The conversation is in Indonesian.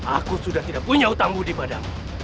aku sudah tidak punya utangmu di padamu